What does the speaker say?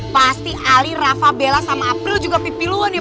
pasti ali rafa bella sama april juga pipiluan ya